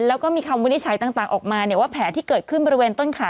แล้วก็มีคำวินิจฉัยต่างออกมาว่าแผลที่เกิดขึ้นบริเวณต้นขา